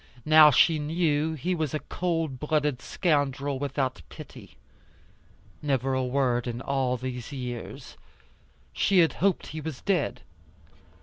Now, she knew he was a cold blooded scoundrel, without pity. Never a word in all these years. She had hoped he was dead.